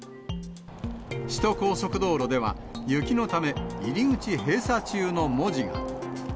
首都高速道路では、ユキのため入口閉鎖中の文字が。